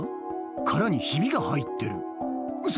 殻にヒビが入ってるウソ！